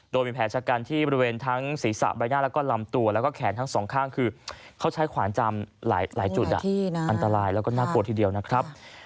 โดยมีแผลชะกันที่บริเวณทั้งศีรษะใบหน้าแล้วก็ลำตัวแล้วก็แขนทั้งสองข้างคือเขาใช้ขวานจำหลายจุดอันตรายแล้วก็น่ากลัวทีเดียวนะครับ